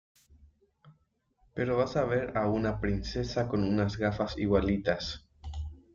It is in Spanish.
pero vas a ver a una princesa con unas gafas igualitas